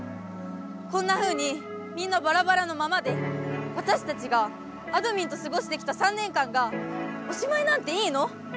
こんなふうにみんなバラバラのままでわたしたちがあどミンとすごしてきた３年間がおしまいなんていいの？